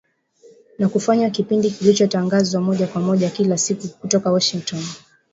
na kufanywa kipindi kilichotangazwa moja kwa moja kila siku kutoka Washington